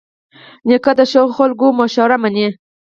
نیکه د ښو خلکو مشوره منې.